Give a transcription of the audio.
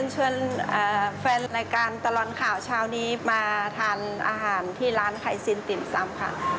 เชิญแฟนรายการตลอดข่าวเช้านี้มาทานอาหารที่ร้านไคซินติ่มซำค่ะ